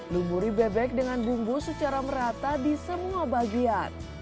lumuri bebek dengan bumbu secara merata di semua bagian